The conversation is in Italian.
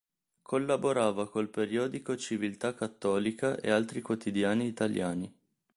Collaborava col periodico Civiltà Cattolica e altri quotidiani italiani.